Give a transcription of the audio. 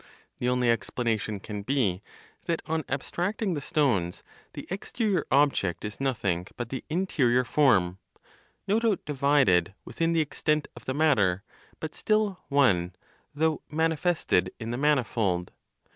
The only explanation can be that, on abstracting the stones, the exterior object is nothing but the interior form, no doubt divided within the extent of the matter, but still one, though manifested in the manifold?